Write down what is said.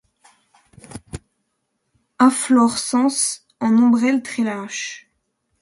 Inflorescence en ombelle très lâche.